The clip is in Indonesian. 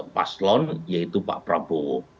paslon yaitu pak prabowo